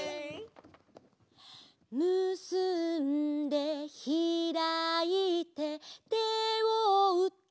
「むすんでひらいて手をうって」